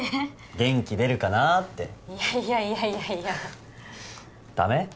元気出るかなーっていやいやいやいやいやダメ？